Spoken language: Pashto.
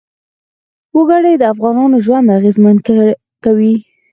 وګړي د افغانانو ژوند اغېزمن کوي.